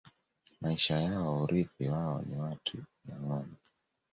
Maisha yao Urithi wao ni watu na Ngombe